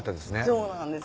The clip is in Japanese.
そうなんです